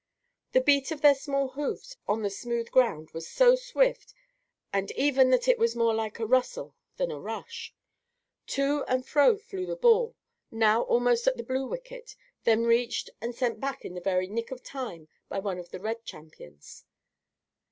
The beat of their small hoofs on the smooth ground was so swift and even that it was more like a rustle than a rush. To and fro flew the ball, now almost at the blue wicket, then reached and sent back in the very nick of time by one of the red champions.